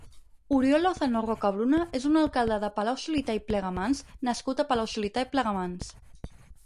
Oriol Lozano Rocabruna és un alcalde de Palau-solità i Plegamans nascut a Palau-solità i Plegamans.